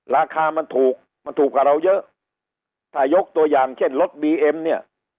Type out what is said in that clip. ราคามันถูกมันถูกกว่าเราเยอะถ้ายกตัวอย่างเช่นรถบีเอ็มเนี่ย